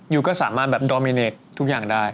ก็สามารถแบบดอร์มิเนคทุกอย่างได้